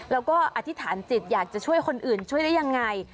แล้วก็อธิษฐานจิตอยากจะช่วยคนอื่นช่วยได้ยังไง